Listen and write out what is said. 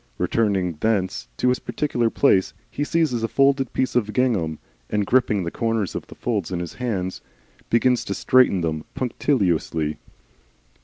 Returning thence to his particular place, he lays hands on a folded piece of gingham, and gripping the corners of the folds in his hands, begins to straighten them punctiliously.